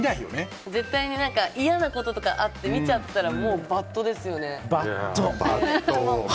絶対に嫌なこととかあって見ちゃったらもうＢＡＤですよね。